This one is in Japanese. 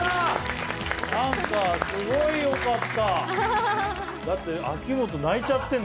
なんかすごくよかった。